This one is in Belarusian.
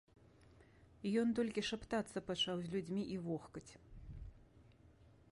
Ён толькі шаптацца пачаў з людзьмі і вохкаць.